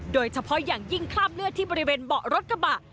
โดยเฉพาะอย่างยิ่งคราบเลือดที่บริเวณเบาะรถกระบะ